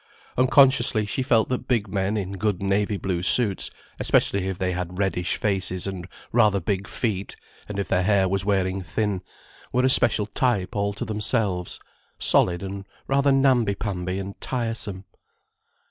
Unconsciously she felt that big men in good navy blue suits, especially if they had reddish faces and rather big feet and if their hair was wearing thin, were a special type all to themselves, solid and rather namby pamby and tiresome.